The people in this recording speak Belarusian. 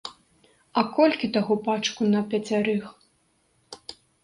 А колькі таго пачку на пяцярых?